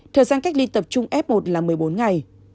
thời gian cách ly tập trung f một là một mươi bốn ngày